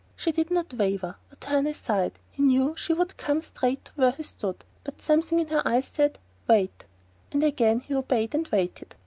She did not waver or turn aside; he knew she would come straight to where he stood; but something in her eyes said "Wait", and again he obeyed and waited.